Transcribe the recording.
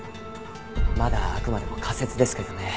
まだあくまでも仮説ですけどね。